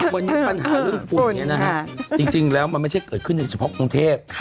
วันนี้ปัญหาเรื่องฝุ่นจริงแล้วมันไม่ใช่เกิดขึ้นในเฉพาะกรุงเทพ